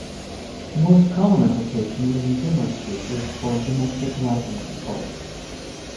The most common application is in dimmer switches for domestic lighting control.